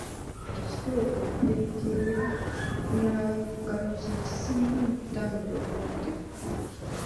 Ekituufu okunyiikirira okunaaba mu ngalo kye kisinga mu kutangira obulwadde buno.